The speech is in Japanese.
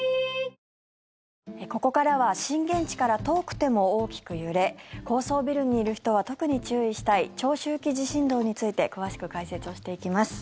ここからは震源地から遠くても大きく揺れ高層ビルにいる人は特に注意したい長周期地震動について詳しく解説をしていきます。